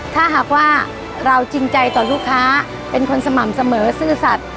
ถ้าหากว่าเราจริงใจต่อลูกค้าเป็นคนสม่ำเสมอซื่อสัตว์